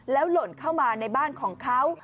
หล่นเข้ามาในบ้านของเขา